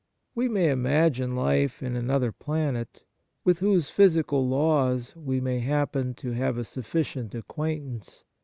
We may imagine life in another planet, with whose physical laws we may happen to have a sufficient acquaintance.